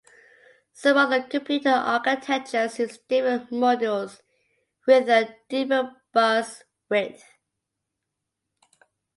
Some other computer architectures use different modules with a different bus width.